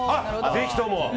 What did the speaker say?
ぜひとも！